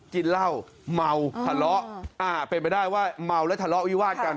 กินเหล้าเมาทะเลาะเป็นไปได้ว่าเมาและทะเลาะวิวาดกัน